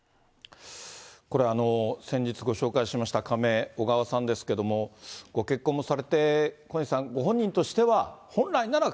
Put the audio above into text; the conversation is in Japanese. これ、先日ご紹介しました仮名、小川さんですけれども、ご結婚もされて、小西さん、ご本人としては、本来なら、